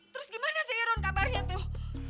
terus gimana sih iron kabarnya tuh